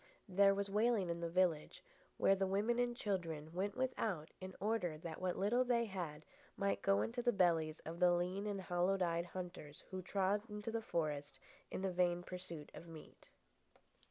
There was wailing in the village, where the women and children went without in order that what little they had might go into the bellies of the lean and hollow eyed hunters who trod the forest in the vain pursuit of meat.